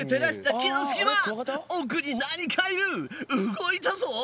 動いたぞ！